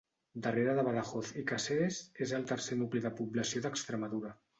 Darrere de Badajoz i Càceres, és el tercer nucli de població d'Extremadura.